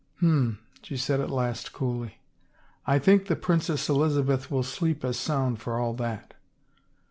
" H'm," she said at last coolly, " I think the Princess Elizabeth will sleep as sound for all that."